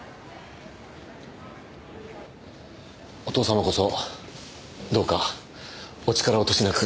お義父様こそどうかお力落としなく。